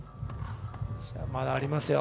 まだありますよ。